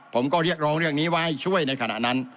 ผมก็เรียกร้องเรื่องนี้ไว้ให้ช่วยในขณะนั้น